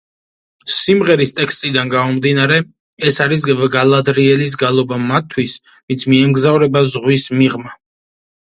სიმღერის ტექსტიდან გამომდინარე, ეს არის გალადრიელის გალობა მათთვის, ვინც მიემგზავრება ზღვის მიღმა.